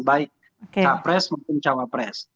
baik capres maupun cawapres